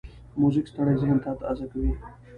موزیک ستړی ذهن تازه کوي.